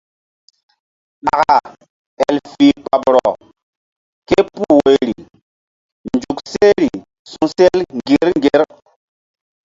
Ɗaka el fih kpoɓrɔ ke puh woyri nzuk sehri su̧sel ŋgir ŋgir.